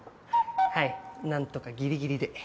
はいなんとかギリギリで。